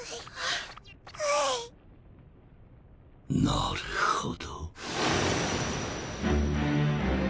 なるほど。